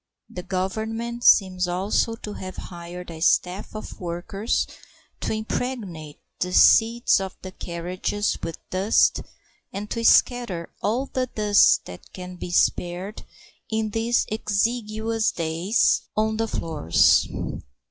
The Government seems also to have hired a staff of workers to impregnate the seats of the carriages with dust and to scatter all the dust that can be spared in these exiguous days on the floors.